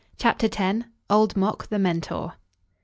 CHAPTER X. OLD MOK, THE MENTOR.